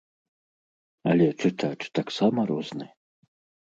Але чытач таксама розны.